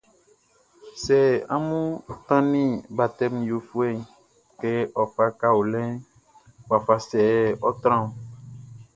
Sɛ amun tannin batɛmun yofuɛʼn kɛ ɔ fa kaolinʼn, wafa sɛ yɛ ɔ́ trán ɔn?